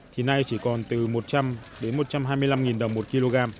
thì nay chỉ còn từ một trăm linh đến một trăm hai mươi năm đồng một kg